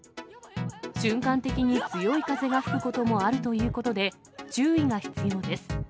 瞬間的に強い風が吹くこともあるということで、注意が必要です。